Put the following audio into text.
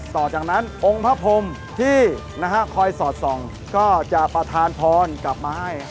ต่อจากนั้นองค์พระพรมที่คอยสอดส่องก็จะประธานพรกลับมาให้